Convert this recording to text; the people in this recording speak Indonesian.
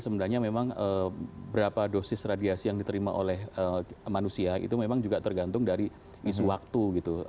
sebenarnya memang berapa dosis radiasi yang diterima oleh manusia itu memang juga tergantung dari isu waktu gitu